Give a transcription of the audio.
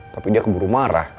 tapi dia keburu marah